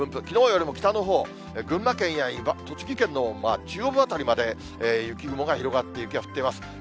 きのうよりも北のほう、群馬県や栃木県の中央部辺りまで雪雲が広がって、雪が降っています。